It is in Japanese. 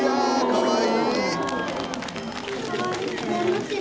かわいい！